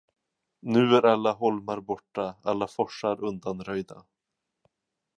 Nu är alla holmar borta, alla forsar undanröjda.